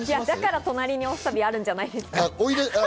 だから隣にわさびがあるんじゃないんですか？